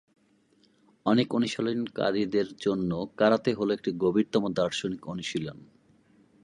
অনেক অনুশীলনকারীদের জন্য, কারাতে হল একটি গভীরতম দার্শনিক অনুশীলন।